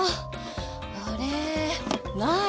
あれない！